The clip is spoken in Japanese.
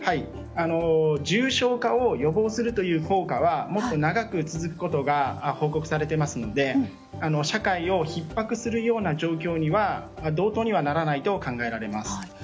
重症化を予防するという効果はもっと長く続くと報告されていますので社会をひっ迫するような状況には同等にはならないと考えられます。